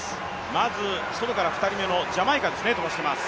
まず外から２人目のジャマイカですね、飛ばしてます。